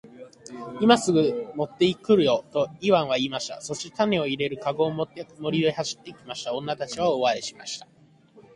「今すぐ持って来るよ。」とイワンは言いました。そして種を入れる籠を持って森へ走って行きました。女たちは大笑いしました。